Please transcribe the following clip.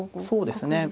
そうですね